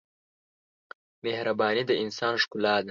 مهرباني د انسان ښکلا ده.